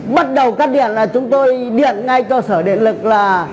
bắt đầu cắt điện là chúng tôi điện ngay cơ sở điện lực là